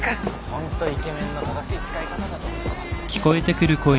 ホントイケメンの正しい使い方だと思うわ。